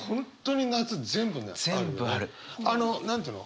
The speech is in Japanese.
あの何て言うの？